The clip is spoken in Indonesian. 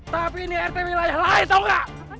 tapi ini rt wilayah lain tau gak